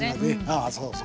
ああそうそう。